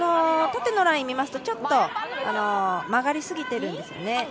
縦のラインを見ますとちょっと曲がりすぎているんですね。